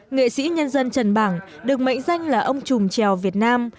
nghệ sĩ nhân dân trần bảng được mệnh danh là ông trùm trèo việt nam